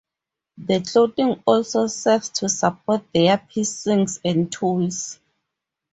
The clothing also serves to support their piercings and tools.